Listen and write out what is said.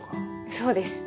そうです。